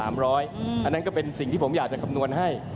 อันนั้นก็เป็นสิ่งที่ผมอยากจะคำนวณให้